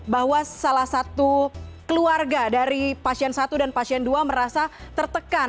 bahwa salah satu keluarga dari pasien satu dan pasien dua merasa tertekan